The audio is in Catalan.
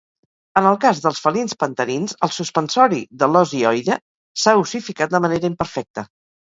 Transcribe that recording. En el cas dels felins panterins, el suspensori de l"os hioide s"ha ossificat de manera imperfecta.